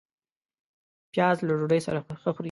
پیاز له ډوډۍ سره ښه خوري